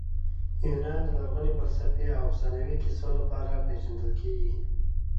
یونان د لرغوني فلسفې او افسانوي کیسو لپاره پېژندل کیږي.